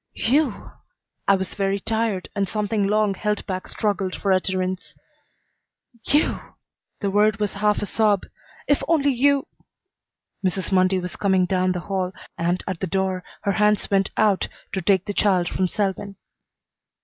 "You!" I was very tired, and something long held back struggled for utterance. "You!" The word was half a sob. "If only you " Mrs. Mundy was coming down the hall, and at the door her hands went out to take the child from Selwyn.